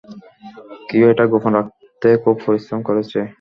কেউ এটা গোপন রাখতে খুব পরিশ্রম করেছে।